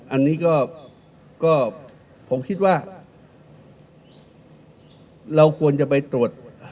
อันนี้ก็ผมคิดว่าเราควรจะไปตรวจ